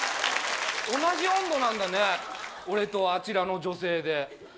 同じ温度なんだね俺とあちらの女性で。